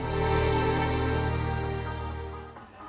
pertemuan dari kekelolaan bahasa tionghoa